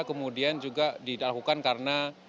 kemudian juga didahukan karena